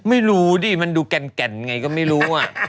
ไม่รู้ดิมันดูแก่นไงก็ไม่รู้